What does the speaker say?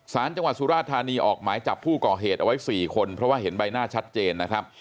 สารจังหวัดสุราธานีออกหมายจับผู้ก่อเหตุเอาไว้๔คนเพราะว่าเห็นใบหน้าชัดเจนนะครับ